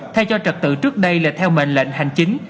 thay cho trật tự trước đây là theo mệnh lệnh hành chính